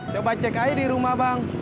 coba cek aja di rumah bang